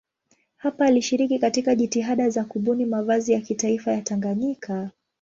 Hapa alishiriki katika jitihada za kubuni mavazi ya kitaifa ya Tanganyika.